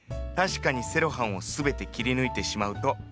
確かにセロハンを全て切り抜いてしまうと。